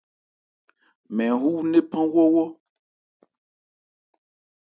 Mɛn wú ńnéphan wɔ́wɔ́.